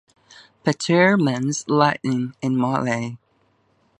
Petir means "lightning" in Malay.